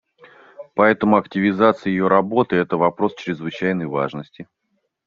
Поэтому активизации ее работы — это вопрос чрезвычайной важности.